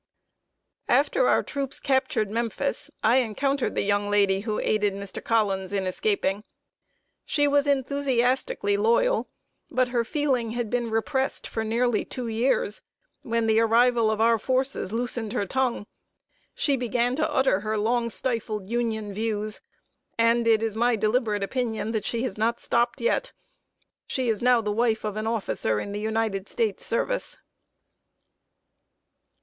After our troops captured Memphis, I encountered the young lady who aided Mr. Collins in escaping. She was enthusiastically loyal, but her feeling had been repressed for nearly two years, when the arrival of our forces loosened her tongue. She began to utter her long stifled Union views, and it is my deliberate opinion that she has not stopped yet. She is now the wife of an officer in the United States service.